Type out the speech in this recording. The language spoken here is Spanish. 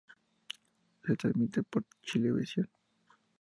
Se transmite por Chilevisión.